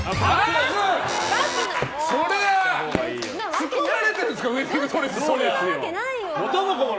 作られてるんですから！